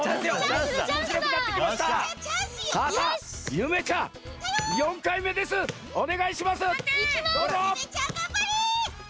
ゆめちゃんがんばれ！